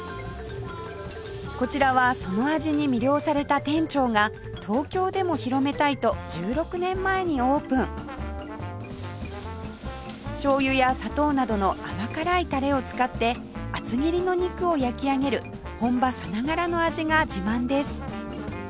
こちらはその味に魅了された店長が東京でも広めたいと１６年前にオープンしょうゆや砂糖などの甘辛いタレを使って厚切りの肉を焼き上げる本場さながらの味が自慢です